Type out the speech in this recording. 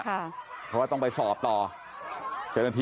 เพราะว่าต้องไปสอบต่อ